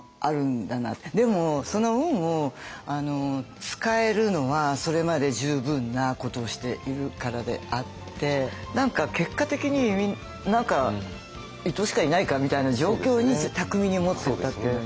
でもその運を使えるのはそれまで十分なことをしているからであって何か結果的に「伊藤しかいないか」みたいな状況に巧みに持ってったって。